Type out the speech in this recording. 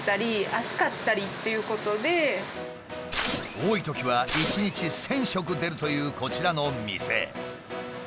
多いときは１日１，０００食出るというこちらの店。